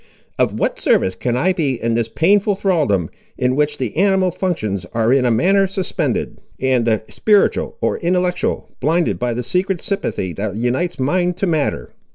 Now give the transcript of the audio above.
"Of what service can I be in this painful thraldom, in which the animal functions are in a manner suspended, and the spiritual, or intellectual, blinded by the secret sympathy that unites mind to matter?